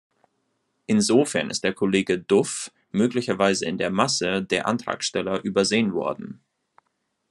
Insofern ist der Kollege Duff möglicherweise in der Masse der Antragsteller übersehen worden.